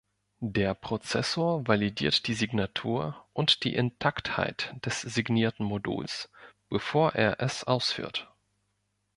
Der Prozessor validiert die Signatur und die Intaktheit des signierten Moduls, bevor er es ausführt.